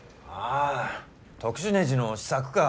ああ特殊ねじの試作か。